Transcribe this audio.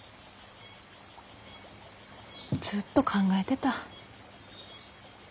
ずっと考えてた。